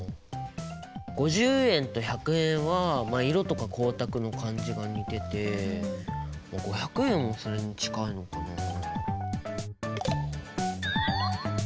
５０円と１００円はまあ色とか光沢の感じが似てて５００円もそれに近いのかなあ。